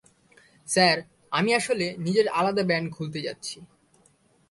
Sir, আমি আসলে, নিজের আলাদা ব্যান্ড খোলতে যাচ্ছি।